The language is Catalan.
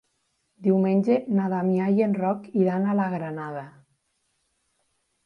Diumenge na Damià i en Roc iran a la Granada.